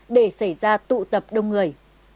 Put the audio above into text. để xảy ra tụ tập đông người